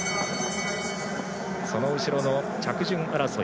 その後ろの着順争い。